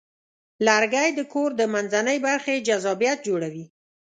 لرګی د کور د منځنۍ برخې جذابیت جوړوي.